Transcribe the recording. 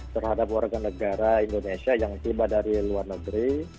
terhadap warga negara indonesia yang tiba dari luar negeri